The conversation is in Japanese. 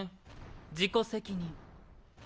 自己責任。